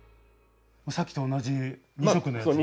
さっきと同じ２色のやつですね。